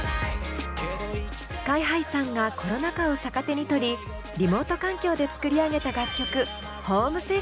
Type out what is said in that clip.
ＳＫＹ−ＨＩさんがコロナ禍を逆手に取りリモート環境で作り上げた楽曲「＃Ｈｏｍｅｓｅｓｓｉｏｎ」。